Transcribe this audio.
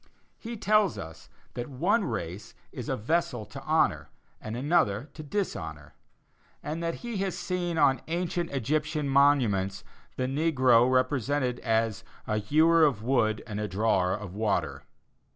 He tells us that one race is a vessel to honor, and another to dishonor; and that he has seen on ancient Egyptian monuments the negro represented as "a hewer of wood and a drawer of water."